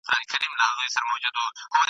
ته به ولي په چاړه حلالېدلای ..